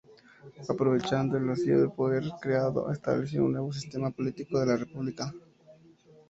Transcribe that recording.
Aprovechando el vacío de poder creado, estableció un nuevo sistema político: la República.